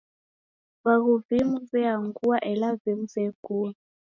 Vaghu vimu veangua, ela vimu vekua.